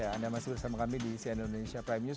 ya anda masih bersama kami di cnn indonesia prime news